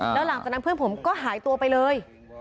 แล้วหลังจากนั้นเพื่อนผมก็หายตัวไปเลย